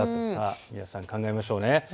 皆さん、考えましょう。